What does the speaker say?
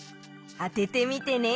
あててみてね。